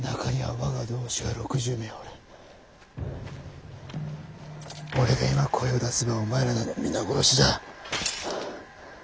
俺が今声を出せばお前らなど皆殺しだ。